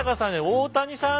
大谷さん？